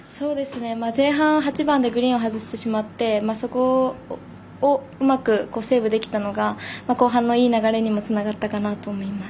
前半は８番でグリーンを外してしまってそこをうまくセーブできたのが後半のいい流れにもつながったかなと思います。